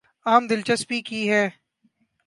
عام دلچسپی کی ہیں